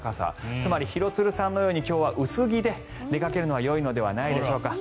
つまり廣津留さんのように今日は薄着で出かけるのはよいのでしょうか。